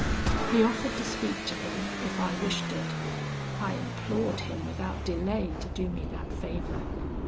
He offered to speak to him, if I wished it. I implored him without delay to do me that favour.